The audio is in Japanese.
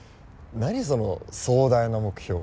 何その壮大な目標。